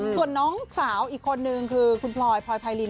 ส่วนน้องสาวอีกคนนึงคือคุณพลอยพลอยไพริน